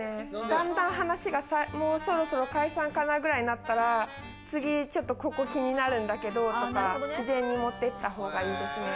だんだん話がもうそろそろ解散かなくらいになったら、次ちょっとここ気になるんだけどとか、自然に持っていった方がいいですね。